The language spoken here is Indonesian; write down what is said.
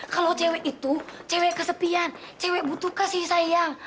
kalau cewek itu cewek kesepian cewek butuh kasih sayang